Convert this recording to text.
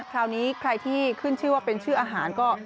คราวนี้ใครที่ขึ้นชื่อว่าเป็นชื่ออาหารก็